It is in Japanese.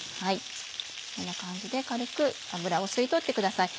こんな感じで軽く脂を吸い取ってください。